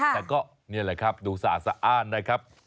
แต่ก็นี่แหละครับดูสะอ้านนะครับ